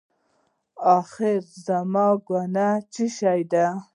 اخېر زما ګناه څه شی ده؟